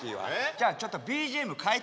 じゃあちょっとＢＧＭ変えて。